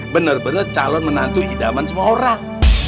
bener bener calon menantu hidaman semua orang